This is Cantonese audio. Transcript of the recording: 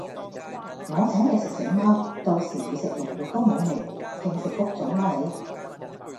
我請你食死貓，到時你食龍肉都無味，聽食穀種啦你